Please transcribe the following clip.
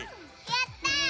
やったー！